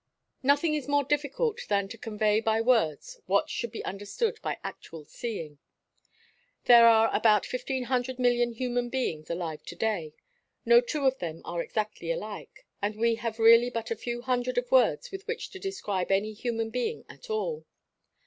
Nothing is more difficult than to convey by words what should be understood by actual seeing. There are about fifteen hundred million human beings alive to day, no two of whom are exactly alike, and we have really but a few hundreds of words with which to describe any human being at all.